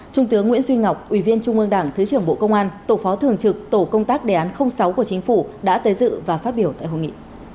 trung tướng nguyễn duy ngọc ủy viên trung ương đảng thứ trưởng bộ công an tổ phó thường trực tổ công tác đề án sáu của chính phủ đã tới dự và phát biểu tại hội nghị